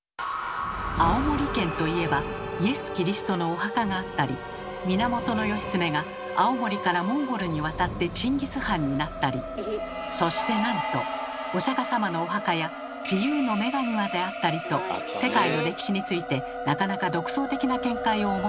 青森県といえばイエス・キリストのお墓があったり源義経が青森からモンゴルに渡ってチンギス・ハンになったりそしてなんとお釈様のお墓や自由の女神まであったりと世界の歴史についてなかなか独創的な見解をお持ちの県。